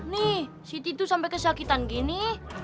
nih si tidu sampai kesakitan gini